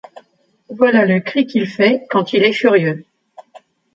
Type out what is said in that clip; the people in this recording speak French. Voilà le cri qu’il fait quand il est furieux.